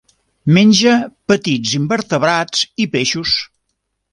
Menja petits invertebrats i peixos.